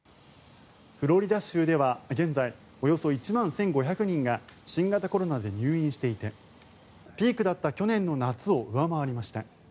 フロリダ州では現在およそ１万１５００人が新型コロナで入院していてピークだった去年の夏を上回りました。